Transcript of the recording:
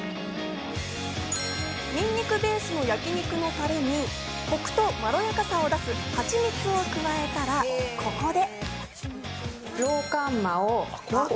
ニンニクベースの焼肉のタレに、コクとまろやかさを出すハチミツを加えたら、ここで。